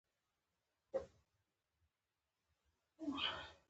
اضافي توکي له بدن څخه باسي.